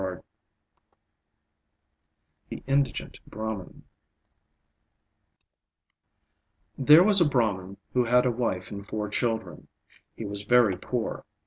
III THE INDIGENT BRAHMAN There was a Brahman who had a wife and four children. He was very poor.